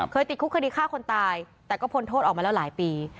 ติดคุกคดีฆ่าคนตายแต่ก็พ้นโทษออกมาแล้วหลายปี